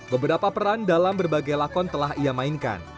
beberapa peran dalam berbagai lakon telah ia mainkan